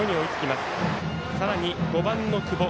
さらに５番の久保。